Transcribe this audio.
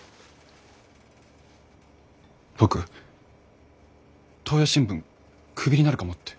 僕東洋新聞クビになるかもって。